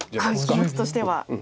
気持ちとしては。